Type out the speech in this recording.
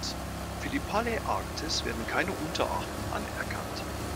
Für die Paläarktis werden keine Unterarten anerkannt.